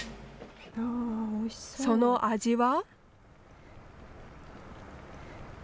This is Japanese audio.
その味は？